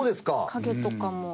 影とかも。